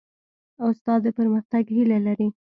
استاد د پرمختګ هیله لري.